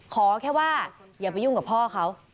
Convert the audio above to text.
ขอแค่ว่าอย่าไปยุ่งกับพ่อเขา